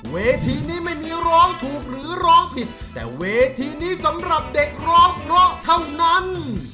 เวทีนี้ไม่มีร้องถูกหรือร้องผิดแต่เวทีนี้สำหรับเด็กร้องเพราะเท่านั้น